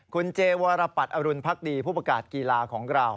คุณเจวรปัตรอรุณพักดีผู้ประกาศกีฬาของเรา